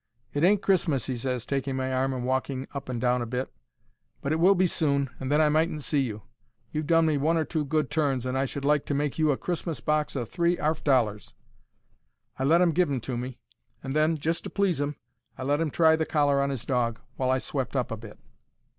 "It ain't Christmas," he ses, taking my arm and walking up and down a bit, "but it will be soon, and then I mightn't see you. You've done me one or two good turns, and I should like to make you a Christmas box of three 'arf dollars." I let 'im give 'em to me, and then, just to please 'im, I let 'im try the collar on 'is dog, while I swept up a bit.